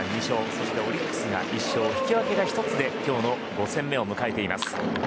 そしてオリックスが１勝引き分けが１つで今日の５戦目を迎えています。